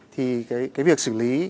thì cái việc xử lý